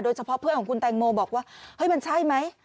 เพื่อนของคุณแตงโมบอกว่าเฮ้ยมันใช่ไหม